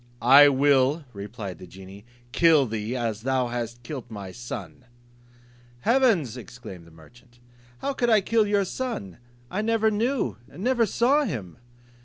"I will," replied the genie, "kill thee, as thou hast killed my son." "Heavens," exclaimed the merchant, "how could I kill your son? I never knew, never saw him."